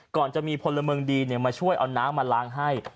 ก่อนจะมีพลเมืองดีมาช่วยเอาน้ำมาล้างให้